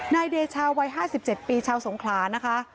นายเดชาวัย๕๗ปีชาวสงขลานะคะ